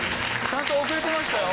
ちゃんと遅れてましたよ。